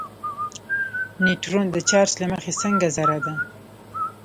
نیوټرون د چارچ له مخې څنګه ذره ده.